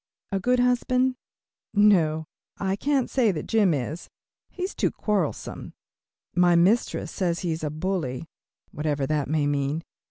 A good husband? No, I can't say that Jim is. He is too quarrelsome. My mistress says he is a bully, whatever that may mean.